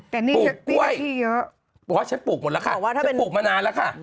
ปลูกกล้วยเพราะว่าฉันปลูกหมดแล้วค่ะบอกว่าถ้าเป็นปลูกมะนาวแล้วค่ะ